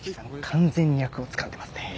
完全に役をつかんでますね。